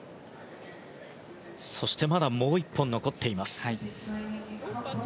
そしてまだもう１本残っています。